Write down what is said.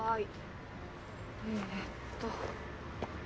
えっと。